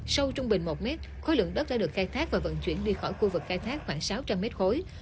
sâu trung bình một mét khối lượng đất đã được khai thác và vận chuyển đi khỏi khu vực khai thác khoảng sáu trăm linh mét khối